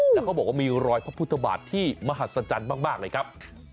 แล้วเขาบอกว่ามีรอยพระพุทธบาทที่มหัศจรรย์มากเลยครับ